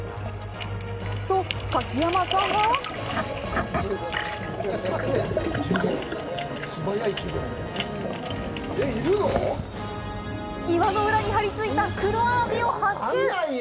と、柿山さんが岩の裏に張りついた黒アワビを発見！